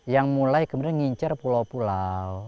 yang mulai kemudian ngincar pulau pulau